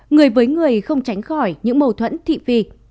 người với người không tránh khỏi những mâu thuẫn thị phi